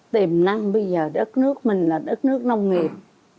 tiềm năng bây giờ đất nước mình là đất nước nông nghiệp